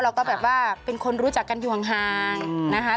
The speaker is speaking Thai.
เราก็แบบว่าเป็นคนรู้จักกันอยู่ห่างนะคะ